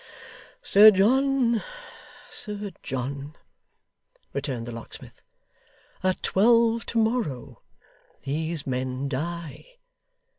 'Sir John, Sir John,' returned the locksmith, 'at twelve tomorrow, these men die.